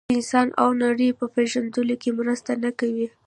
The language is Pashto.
د انسان او نړۍ په پېژندلو کې مرسته نه کوي.